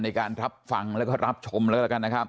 ในการรับฟังแล้วก็รับชมแล้วกันนะครับ